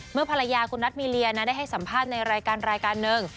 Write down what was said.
เมื่อภรรยาคุณนัทมีเลียนะได้ให้สัมภาษณ์ในรายการรายการหนึ่ง